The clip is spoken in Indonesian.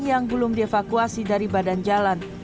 yang belum dievakuasi dari badan jalan